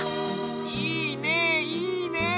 いいねいいね。